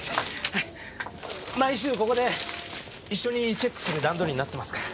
毎週ここで一緒にチェックする段取りになってますから。